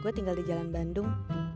gue tinggal di jalan bandung